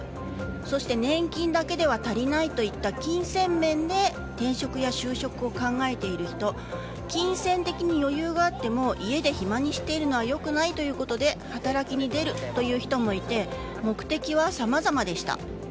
そして、年金だけでは足りないといった金銭面で転職や就職を考えている人金銭的に余裕があっても家で暇にしているのは良くないということで働きに出るという人もいて目的はさまざまでした。